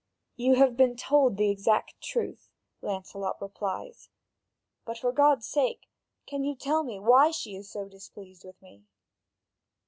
"You have been told the exact truth," Lancelot replies, "but for God's sake, can you tell me why she is so displeased with me?"